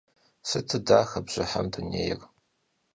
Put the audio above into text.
Sıtu daxe bjıhem dunêyr!